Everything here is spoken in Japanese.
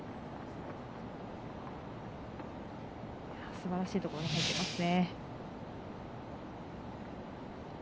すばらしいところに入ってますね。